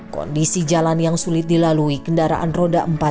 kondisi jalan yang sulit dilalui kendaraan roda empat